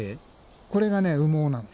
これが羽毛なの。